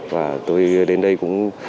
và tôi đến đây cũng